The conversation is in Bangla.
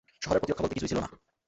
শহরের প্রতিরক্ষা বলতে কিছুই ছিল না।